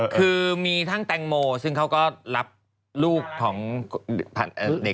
คือมีทั้งแตงโมซึ่งเขาก็รับลูกของเด็ก